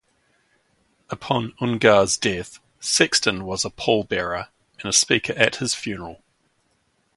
Upon Ungar's death, Sexton was a pallbearer and speaker at his funeral.